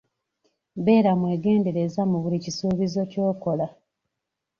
Beera mwegendereza mu buli kisuubizo ky'okola.